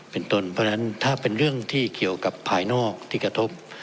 เป็นตนเพราะฉะนั้นถ้าเป็นเรื่องที่เกี่ยวกับภายนอกที่กระทบ